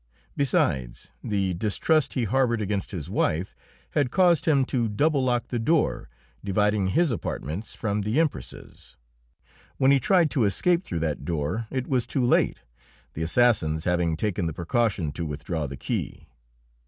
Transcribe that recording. Besides, the distrust he harboured against his wife had caused him to double lock the door dividing his apartments from the Empress's. When he tried to escape through that door it was too late, the assassins having taken the precaution to withdraw the key.